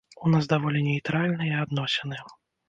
У нас даволі нейтральныя адносіны.